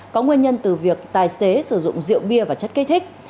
có nguyên nhân từ việc tài xế sử dụng rượu bia và chất kích thích